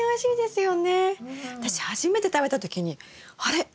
私初めて食べた時にあれ？